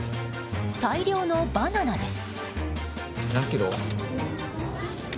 大量のバナナです。